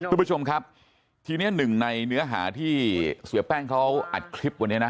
คุณผู้ชมครับทีนี้หนึ่งในเนื้อหาที่เสียแป้งเขาอัดคลิปวันนี้นะ